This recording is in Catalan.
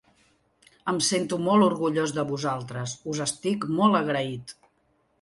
Em sento molt orgullós de vosaltres, us estic molt agraït.